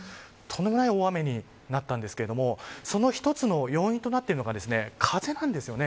とんでもない大雨になったんですけれどもその一つの要因となっているのが風なんです。